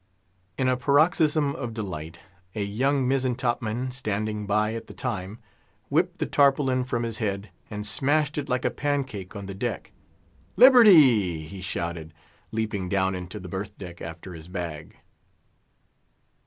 In a paroxysm of delight, a young mizzen top man, standing by at the time, whipped the tarpaulin from his head, and smashed it like a pancake on the deck. "Liberty!" he shouted, leaping down into the berth deck after his bag.